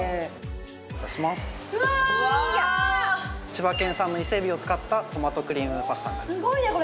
・千葉県産のイセエビを使ったトマトクリームパスタになります